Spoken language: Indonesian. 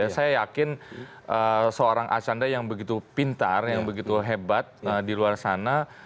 saya yakin seorang archandra yang begitu pintar yang begitu hebat di luar sana